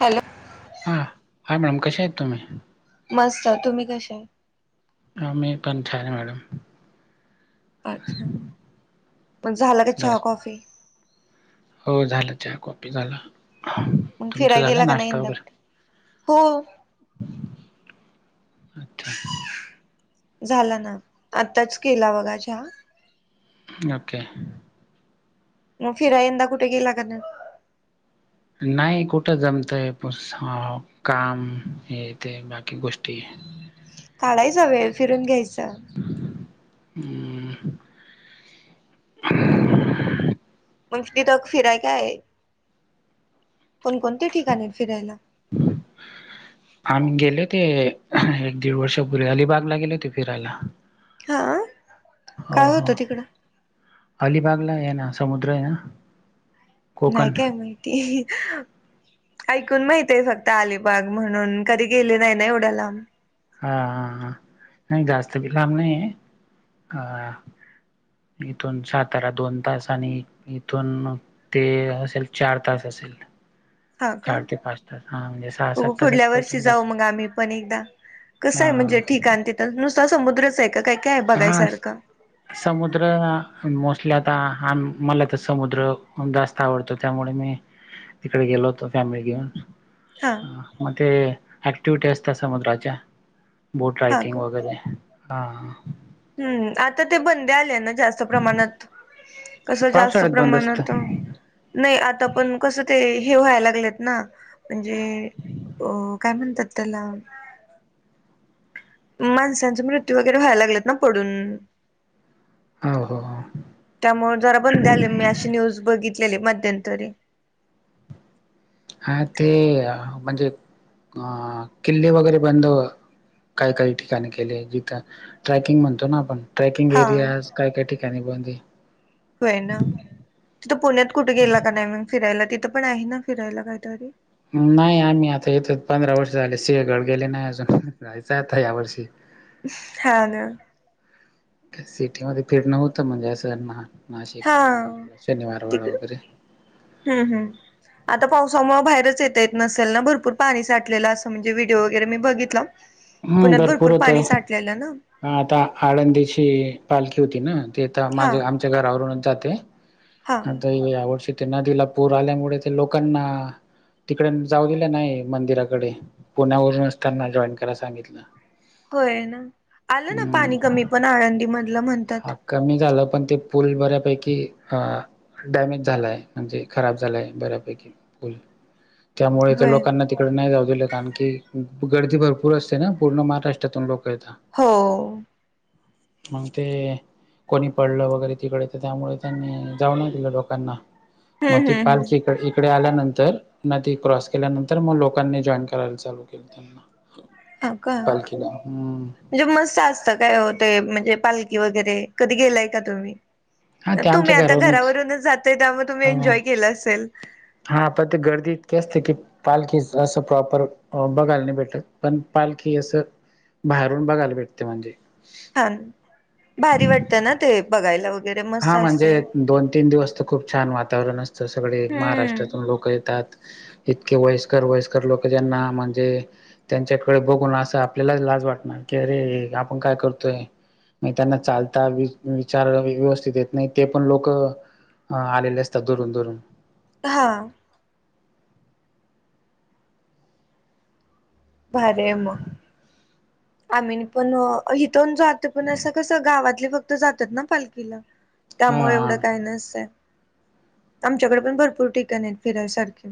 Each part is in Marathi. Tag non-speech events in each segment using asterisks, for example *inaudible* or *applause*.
हॅलो. हां, हा मॅडम कश्या आहेत तुम्ही? मस्त, तुम्ही कशा? आम्ही पण छान हाय मॅडम. अच्छा, पण झालं का जा चहा कॉफी? हो झाला चहा, कॉफी झाला. मग तुमचं फिराय गेला झालं का नाही नाश्ता यंदा? वगैरे हो. *unintelligible* झाला ना, आत्ताच केला बघा चहा. ओके. मग फिराय यंदा कुठे गेला का नाय? नाही कुठं जमतंय *unintelligible* काम, हे ते बाकी गोष्टी. काढायचं वेळ फिरून घ्यायचं. *unintelligible* अं. हम्म मग तिथं फिराय काय आहे, कोणकोणते ठिकाण आहेत फिरायला? *inaudible* आम्ही गेले होते एक दीड वर्षापूर्वी, अलिबागला गेले होते फिरायला. हा हो काय हो. होतं तिकडं अलिबागला आहे ना, समुद्र आहे ना. कोकण नाही काय माहिती. ऐकून माहित आहे फक्त अलिबाग म्हणून, कधी गेले नाही ना एवढ्या लांब. हा हा हा नाही जास्त भिणार नाही, हा. इथून सातारा दोन तास आणि इथून ते असेल, चार तास असेल. हा का, चार ते पाच तास हा म्हणजे सहा सात हो तासात पुढल्या वर्षी पोहोचून जाऊ जाते मग आम्ही पण एकदा. कसं आहे हा म्हणजे ठिकाण तिथं, नुसता समुद्रच आहे का, काय काय हाय हा बघायसारखं? समुद्र मोस्टली आता हान मला तर समुद्र जास्त आवडतो, त्यामुळे मी तिकडे गेलो होतो फॅमिली घेऊन. हा. आ म ते ॲक्टिविटी असतात समुद्राच्या. बोट हा रायटिंग का वगैरे हा. हम्म आता ते बंदी आल्या ना जास्त प्रमाणात. कसं जास्त पावसाळ्यात बंद प्रमाणात, असतं नाही आता पण कसं ते हे व्हायला लागलेत ना. म्हणजे अ काय म्हणतात त्याला माणसांचं मृत्यू वगैरे व्हाय लागल्यात ना पडून. हो हो. हो त्यामुळे जरा बंदी आलेली, मी अशी न्यूज बघितलेली मध्यंतरी. हा ते, म्हणजे अ किल्ले वगैरे बंद काय काही ठिकाणी केले जिथं ट्रॅकिंग म्हणतो ना आपण ट्रॅकिंग हा एरियाज काय काय ठिकाणी बंद हाय. होय ना तिथं पुण्यात कुठे गेला का नाही मग फिरायला, तिथं पण आहे ना फिरायला काहीतरी? नाही आम्ही आता येत पंधरा वर्ष झाले सिंहगड गेले नाही अजून. जायच हाय आता या वर्षी. हा ना. सिटीमध्ये फिरणं होतं म्हणजे असं ना-नाशिक हा अं आपलं शनिवारवाडा तिकड वगैरे. हम्म हम्म. आता पावसामुळे बाहेरच येता येत नसेल ना. भरपूर पाणी साठलेलं असं म्हणजे व्हिडीओ वगैरे मी बघितलं. हम्म भरपूर होत. ह आता आळंदीची पालखी होती ना? ते आ तर हा माझ आम घरातूनच जाते, हा वरून जाते आवर्षी ते नदीला पूर आल्यामुळे ते लोकांना तिकडे जाऊ दिलं नाही, मंदिराकडे पुण्यावरून असताना जॉईन करायला सांगितलं. होय ना? आलं ना हम्म पाणी कमी पण आळंदी मधलं म्हणतात. हा कमी झालं, पण ते पूल बऱ्यापैकी अ डॅमेज झालाय म्हणजे खराब झालाय बऱ्यापैकी पूल. त्यामुळे तर होय लोकांना तिकडे नाही जाऊ दिलं, कारण की गर्दी भरपूर पुर असते ना पूर्ण महाराष्ट्रातून लोक येता. हो. मग ते कोणी पडलं वगैरे तिकडे तर त्यामुळे त्यांनी जाऊ नाही दिलं लोकांना, मग हम्म ते हम्म हम्म पालची इकडं ये इकडे आल्यानंतर, नदी क्रॉस केल्यानंतर मग लोकांनी जॉईन करायला चालू केलं त्यांना. हो का? पालखीला हम्म म्हणजे मस्त असतं काय ओ ते म्हणजे पालखी वगैरे. कधी गेलाय का तुम्ही? हा तर ते तुम्ही आमच्या आता घरावरूनच जाताय त्यामुळे तुम्ही हा एन्जॉय केलं असेल. हा पण ते गर्दी इतकी असते की पालखीच असं प्रॉपर अ बघायला नाही भेटत, पण पालखी असं बाहेरून बघाला भेटते म्हणजे. हां, भारी वाटतं ना ते बघायला होत. हा म्हणजे दोन तीन दिवस तर खूप छान वातावरण असतं, सगळे हम्म महाराष्ट्रातून लोक येतात. *inaudible* इतके वयस्कर वयस्कर लोक ज्यांना म्हणजे त्यांच्याकडे बघून असं आपल्यालाच लाज वाटणार, की अरे आपण काय करतोय. मग त्यांना चालता विचार व्यस् नाही, ते पण लोक आलेले असतात दुरून दुरून हा. भारी हाय मग आम्ही पण, इथून जात पण असं कसं गावातले फक्त जातात ना पालखीला. त्यामुळे हा एवढं काही नसतंय. आमच्याकडं पण भरपूर ठिकाण आहेत फिरायसारखे.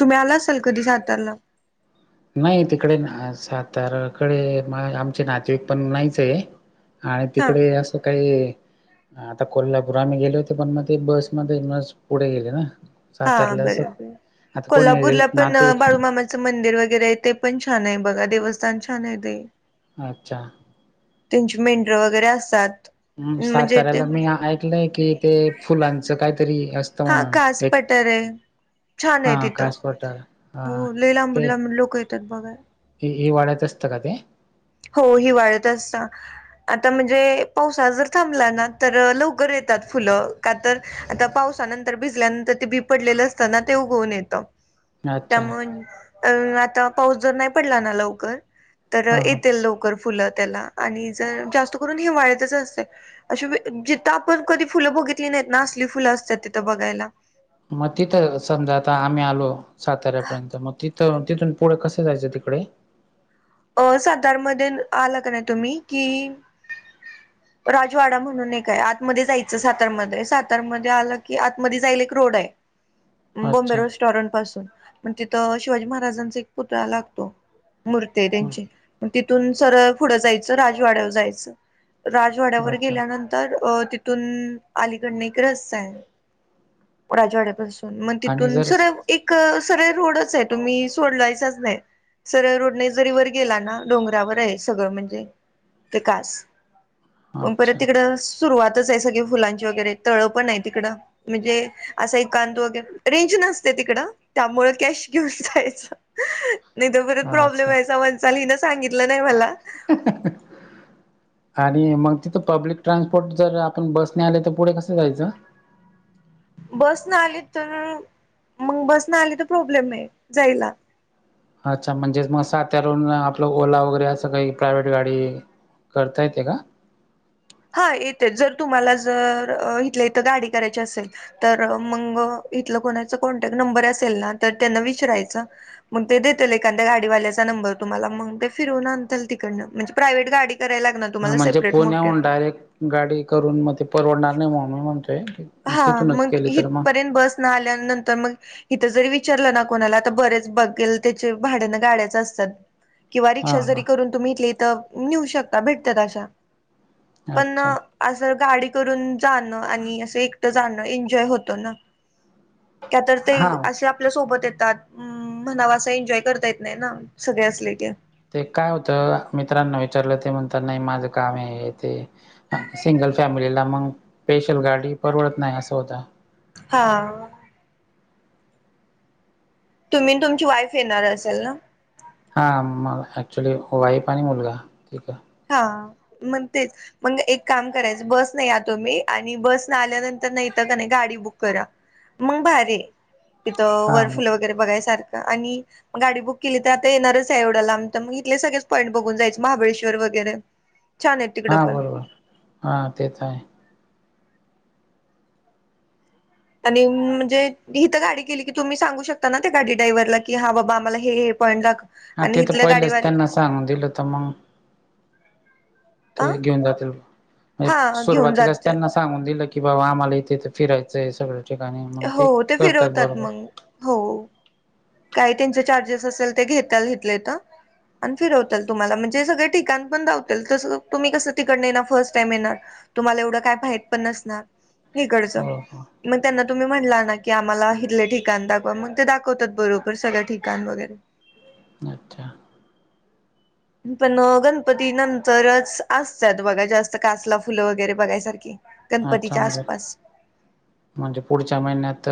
तुम्ही आला असाल कधी सातारला? नाही तिकडे सातार्याकडे, आमचे नातेवाईक पण नाहीच आहे. आणि हा तिकडे असं काही आता कोल्हापूर आम्ही गेले होते, पण मग ते बसमध्ये बस पुढे गेले ना. हा सातारला असं बरोबर. आता कोणी कोल्हापूरला पण नातेवाईक बाळूमामा च मंदिर वगैरे आहे ते पण छान आहे बघा, देवस्थान छान आहे ते. अच्छा! तेंची मेंढर वगैरे असतात. हम्म म्हणजे ते साताऱ्याला मी ऐकलंय की ते फुलांच काहीतरी अस हा, कास पटर आहे. छान आहे हा तिथं. कास पठार हो हा लई लांबुन लांबुन लोक येतात बघायला. हे हे वाढतं असं का ते? हो हिवाळ्यात असतं. आता म्हणजे पावसाळ जर थांबला ना तर लवकर येतात फुलं का तर आता पावसानंतर भिजल्यानंतर, ते बी पडलेलं असत ना ते उगऊन येतं. अच्छा त्यामुळे अं आता पाऊस जर नाही पडला ना लवकर, तर हा हा. इत लवकर फुलं त्याला आणि जर जास्त करून हिवाळ्यातच असते. अशी जिथं आपण कधी फुलं बघितली नाहीत ना, असली फुलं असत्यात तिथं बघायला. मग तिथं समजा आता आम्ही आलो साताऱ्यापर्यंत. मग तिथ तो तिथून पुढे कसं जायचं तिकडे? अं सातार मध्ये आला का नाही तुम्ही कि राजवाडा म्हणून एक हाय. आतमध्ये जायचं सातारामध्ये. सातारामध्ये आलं की, आतमध्ये जायला एक रोड हाय. *inaudible* बॉम्बे अच्छा रेस्टॉरंटपासून, पण तिथं शिवाजी महाराजांचा एक पुतळा लागतो. मूर ते तेंची. पण तिथून सरळ पुढं जायचं राजवाड्यावर जायचं. राज जोड्यावर अच्छा गेल्यानं तर अ तिथून अलीकडं एक रस्ता हाय राजवाड्यापासून. मग आणि तिथून जर सरळ एक सरळ रोडच आहे, तुम्ही सोडलायचाच नाय. सरळ रोडनेच जरी वर गेला ना डोंगरावर हाय सगळं म्हणजे, ते कास पण परत अच्छा तिकडं सुरुवातच हाय, सगळी फुलांची वगैरे तळंपण हाय तिकडं. म्हणजे असा एक कांद वगैरे रेंज नसते तिकडं त्यामुळे कॅश घेऊशी जायचं. नाही तो परत प्रॉब्लेम अच्छा आहे अशा वंशालीनं सांगितलं नाही मला *unintelligible* आणि मग तिथं पब्लिक ट्रान्सपोर्ट जर आपण बसने आले, तर पुढे कसं जायचं? बसनं आली तर, मग बसनं आली तर प्रॉब्लेम हाय जायला. अच्छा म्हणजेच मग सात्यारून आपलं ओला वगैरे असं काही प्रायव्हेट गाडी करता येते का? हा येतेच, जर तुम्हाला जर इथल्या इथं गाडी करायची असेल तर मंग इथलं कोणाच कॉन्टॅक्ट नंबर असेल ना, तर त्यांना विचरायचं. मग ते दे एका त्या गाडीवाल्याचा नंबर तुम्हाला मग ते फिरवून आणल तिकडनं म्हजे प्राईव्हेट गाडी करायला लागणार हा तुम्हाला म्हणजे सेपरेट मोठे पुण्याहून डायरेक्ट गाडी करून मग ते परवडणार नाही, म्हण मी म्हणतोय. हा, तिथूनच मग केली तर मग इथपर्यंत बसनं आल्यानंतर मग इथं जरी विचारलं ना कोणाला, तर बरेच बघेल त्याचे भाडयाने गाड्याच असतात. किंवा हां रिक्षा जरी हां करून तुम्हीे हितलं हित नेऊ शकता भेटतात अशा पण अच्छा असं गाडी करून जाणं आणि असं एकटं जाणं, एन्जॉय होतो ना. का तर ते हां असे आपल्या सोबत येतात हम्म म्हणावा असं एन्जॉय करता येत नाही ना सगळे असले की ते काय होतं, मित्रांना विचारलं. ते म्हणतात नाही माझं काम आहे ते. सिंगल फॅमिलीला मग पेशल गाडी परवडत नाही असं होतंय. हा तुम्ही आणि तुमची वाईफ येणार असेल ना? हा मग ऍक्चुली वाईफ आणि मुलगा ठीक हाय. हा मंग तेच मग एक काम करायचं बसने या तुम्ही आणि बसन आल्यानंतर नाही तर का नाही गाडी बुक करा. मग भारी आहे इथं वर हां मग फुल वगैरे बघाय सारखं आणि गाडी बुक केली तर आता येणारच हाय एवढ्या लांब, तर मग घेतले सगळेच पॉईंट बघून जायचं. महाबळेश् दर वगैरे हा बरोबर, हा तेच हाय. आणि म्हणजे हिथं गाडी गेली की तुम्ही सांगू शकता ना त्या गाडी ड्रायव्हरला, की हा बाबा आम्हाला हे पॉईंट दाख हा आणि तिथं इथल्या पहिलेच गाडीवाली त्यांना सांगू दिलं तर मग? ते अ घेऊन जातील, एक हा घेऊन सुरुवातीलाच जात त्यांनाच सांगून दिलं की बाबा आम्हाला इथे इथे फिरायचंय, सगळ्या ठिकाणी मग हो ते करतात फिरवतात बरोबर. मग हो. काय त्यांचे चार्जेस असेल ते घेत्यात इथल्या इथं. आणि फिरवत्याल तुम्हाला. म्हणजे सगळे ठिकाणपण दावत्याल, तसं तुम्ही कसं तिकडनं येणार फर्स्ट टाईम येणार. तुम्हाला एवढं काय माहित पण नसणार. इकडचं. हो हो मग त्यांना तुम्ही म्हणला ना, की आम्हाला इथले ठिकाण दाखवा. मग ते दाखवतात बरो बर सगळ्या ठिकाण वगैरे. *unintelligible* पण गणपती नंतरच असत्यात बघा, जास्त कासला फुलं वगैरे बघायसारखी. हा गणपतीच्या छान जा आसपास म्हणजे पुढच्या महिन्यात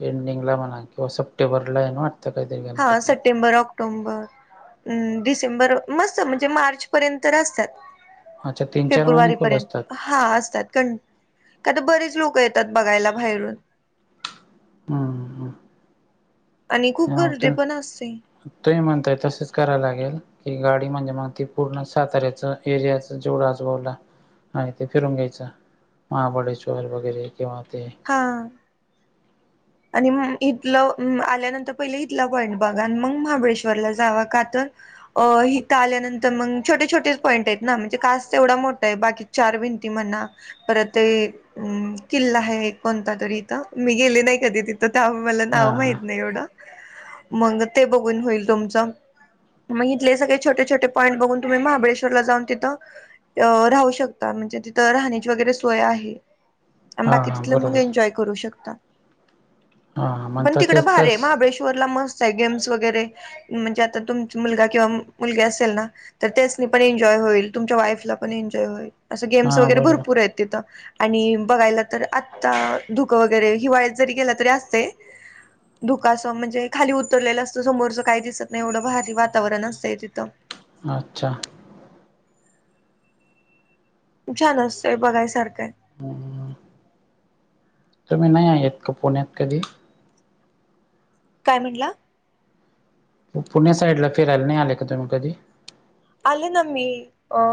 एंडिंगला म्हणा किंवा सप्टेंबरला आहे ना वाट हा सप्टेंबर ऑक्- टोम्बर, डिसेंबर मस्त म्हणजे मार्च पर्यंत तर असतात. अच्छा तीन चार महिने फेब्रुवारी खुले पर्यंत असतात. अह. हा असतात, कण का तर बरेच लोक येतात बघायला बाहेरून. अं हं हं. आणि खूप गर्दीे पण असते. तुम्ही म्हणताय तसच कराय लागेल. ती गाडी म्हणजे मग ती पूर्ण साताऱ्याच एरियाच जेवढ आजबावला आणि ते फिरून घ्यायचं, महाबळेश्वर वगैरे किंवा ते हां. आणि मग इथलं आल्यानंतर पहिले इथला पॉईंट बघा आणि मग महाबळेश्वरला जावा. का तर अ हिथं आल्यानंतर मग छोटे छोटेच पॉईंट आहेत ना, म्हणजे कास तेवढा मोठा आहे बाकी चार भिंती म्हणा. परत ते अ किल्ला आहे एक कोणतातरी इथं, मी गेले नाही. कधी तिथं त्या मला हा नाव हा माहित नाही एवढं. मग ते बघून होईल तुमचं. मग इथले सगळे छोटेछोटे पॉईंट बघून तुम्ही महाबळेश्वरला जाऊन तिथं अ राहू शकता, म्हणजे तिथं राहण्याची वगैरे सोय आहे. आणि हा बाकी हा तिथलं मग बरोबर एन्जॉय करू शकता. हा मग पण तिकड तसच भारी हाय, तस महाबळेश्वरला मस्त आहे गेम्स वगैरे. म्हणजे आता तुमचा मुलगा किंवा मुलगी असेल ना. तर त्यासनी पण एन्जॉय होईल तुमच्या वाईफला पण एन्जॉय होईल. असं गेम्स हा वगैरे भरपूर बरोबर आहेत तिथं आणि बघायला तर आत्ता धुकं वगैरे हिवाळ्यात जरी गेला तरी असतंय. धुकासं म्हणजे खाली उतरलेलं असतं, समोरचं काही दिसत नाही एवढं भारी वातावरण असतंय तिथं. अच्छा. छान असतंय बघायसारखं आहे. तुम्ही नाही येत का पुण्यात कधी? काय म्हंटला? पुण्या साईडला फिरायला नाही आले का तुम्ही कधी? आले ना मी अ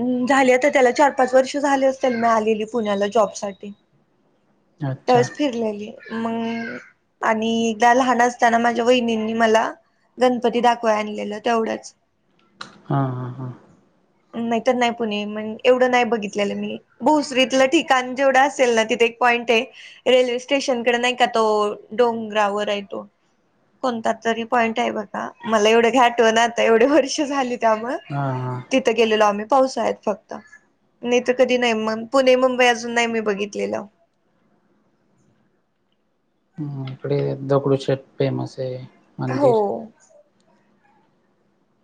ह झाली आता त्याला चार पाच वर्ष झाले असत्याल मी आलेली पुण्याला जॉबसाठी. अच्छा त्यावेळेस फिरलेली मग आणि एकदा लहान असताना माझ्या वहिनींनी मला गणपती दाखवाय आणलेलं तेवढंच. हां हां हां. नाही तर नाही पुणे मग एवढं नाही बघितलेलं मी. भोसरीतलं ठिकाण जेवढं असेल ना, तिथे एक पॉईंट हाय. रेल्वे स्टेशनकडं नाही का तो डोंगरावर आहे तो. कोणता तरी पॉईंट आहे बघा मला एवढं घाठव ना आता एवढे वर्ष झाले. त्यामुळ हा हा तिथं गेलेलो आम्ही पावसाळ्यात फक्त. नाही तर कधी नाही म पुणे मुंबई अजून नाही मी बघितलेलं. हम इकडे दगडूशेठ फेमस आहे हो मंदिर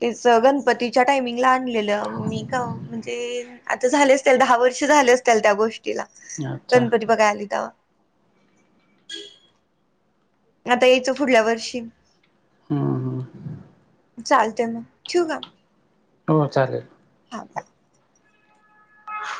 तच गणपतीच्या टायमिंगला आणलेलं मी का म्हणजे आता झाले असतील दहा वर्ष झाले असतील त्या गोष्टीला अच्छा गणपती बघा आली तव्हा. आता यायचं फुढल्या वर्षी हम्म हम्म. चालते मग ठेव का हो चालेल. हा *inaudible*